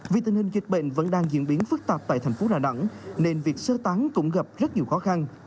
vì tình hình dịch bệnh vẫn đang diễn biến phức tạp tại thành phố đà nẵng nên việc sơ tán cũng gặp rất nhiều khó khăn